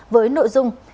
với nội dung